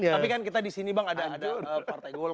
tapi kan kita disini bang ada partai gol